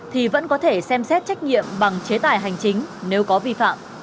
thì vẫn có thể xem xét trách nhiệm bằng chế tài hành chính nếu có vi phạm